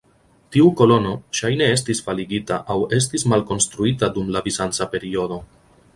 Tiu kolono ŝajne estis faligita aŭ estis malkonstruita dum la bizanca periodo.